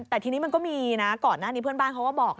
แต่ทีนี้มันก็มีนะก่อนหน้านี้เพื่อนบ้านเขาก็บอก